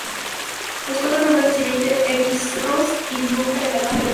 Los Cuatro Rebeldes y veinte esbirros irrumpen en la cámara del rey.